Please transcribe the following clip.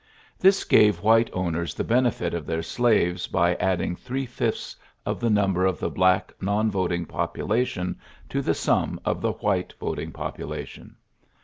This gave w TTLYSSES S. GEAI! TT 133 Tiers the benefit of their slaves by add r three fifths of the number of the ick non voting population to the sum the white voting population.